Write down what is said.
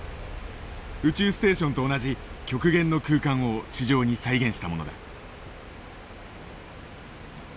宇宙ステーションと同じ極限の空間を地上に再現したものだ。